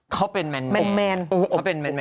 เขาเป็นแมนของแมนเหี้ยหรือแมนแมน